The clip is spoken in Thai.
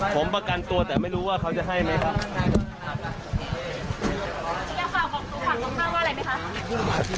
ผมประกันตัวแต่ไม่รู้ว่าเขาจะให้ไหมครับ